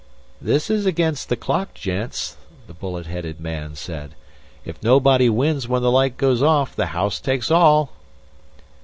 "This is against the clock, gents," the bullet headed man said. "If nobody wins when the light goes off, the house takes all."